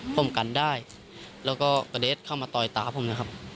ผมกันได้แล้วก็กระเด็ดเข้ามาต่อยตาผมนะครับ